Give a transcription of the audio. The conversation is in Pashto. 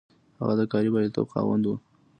هغه د کاري برياليتوب خاوند و.